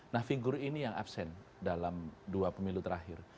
nah figur ini yang absen dalam dua pemilu terakhir